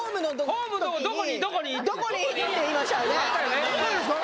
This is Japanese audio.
「どこに？」って言いましたよね